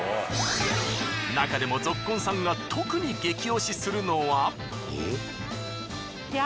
なかでもぞっこんさんが特に激推しするのは。